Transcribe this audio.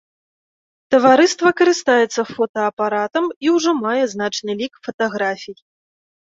Таварыства карыстаецца фотаапаратам і ўжо мае значны лік фатаграфій.